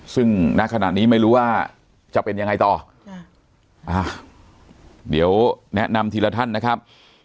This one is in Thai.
ซึ่งณขณะนี้ไม่รู้ว่าจะเป็นยังไงต่อเดี๋ยวแนะนำทีละท่านนะครับ